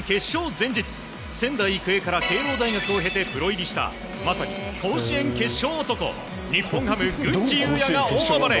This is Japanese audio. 前日仙台育英から慶応大学を経てプロ入りしたまさに甲子園決勝男日本ハム、郡司裕也が大暴れ。